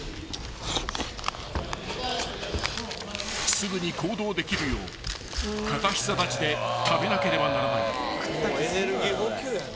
［すぐに行動できるよう片膝立ちで食べなければならない］